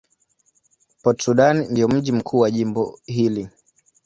Port Sudan ndio mji mkuu wa jimbo hili.